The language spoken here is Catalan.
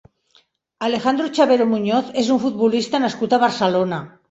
Alejandro Chavero Muñoz és un futbolista nascut a Barcelona.